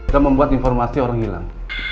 dan membuat informasi orang hilang